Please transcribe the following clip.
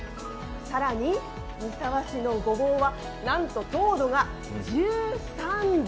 更に三沢市のごぼうはなんと、糖度が１３度。